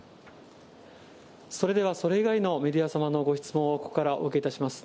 それでは、それ以外のメディア様のご質問をここからお受けいたします。